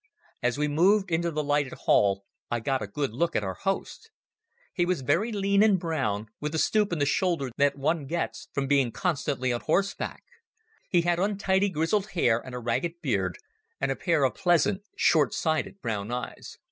As we moved into the lighted hall I got a good look at our host. He was very lean and brown, with the stoop in the shoulder that one gets from being constantly on horseback. He had untidy grizzled hair and a ragged beard, and a pair of pleasant, short sighted brown eyes.